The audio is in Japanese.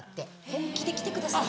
本気で来てください。